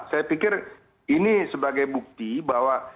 saya pikir ini sebagai bukti bahwa